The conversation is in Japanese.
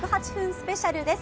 スペシャルです。